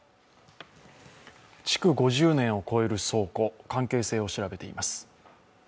築５０年を超える倉庫、関係性を調べています。